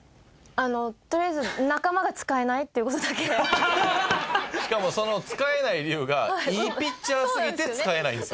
あのとりあえずしかもその使えない理由がいいピッチャーすぎて使えないんですよ。